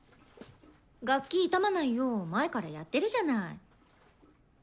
楽器傷まないよう前からやってるじゃない。